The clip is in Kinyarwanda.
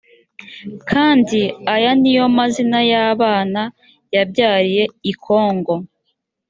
kandi aya ni yo mazina y abana yabyariye i kongo